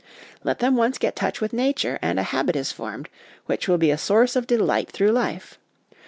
Let them once get touch with Nature, and a habit is formed which will be a source of delight through life.